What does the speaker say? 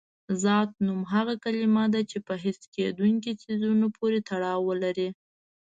ذات نوم هغه کلمه ده چې په حس کېدونکي څیزونو پورې تړاو ولري.